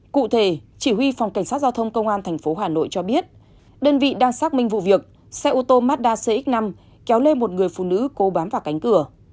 cụ thể chỉ huy phòng cảnh sát giao thông công an tp hà nội cho biết đơn vị đang xác minh vụ việc xe ô tô mazda cx năm kéo lên một người phụ nữ cố bám vào cánh cửa